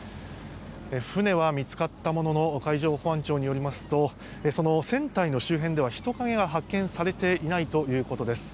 船は見つかったものの海上保安庁によりますとその船体の周辺では人影が発見されていないということです。